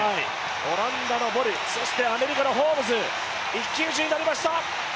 オランダのボル、そしてアメリカのホームズ一騎打ちになりました。